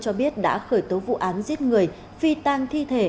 cho biết đã khởi tố vụ án giết người phi tang thi thể